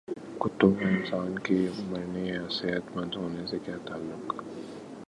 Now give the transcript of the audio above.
کتوں کا انسان کے مرنے یا صحت مند ہونے سے کیا تعلق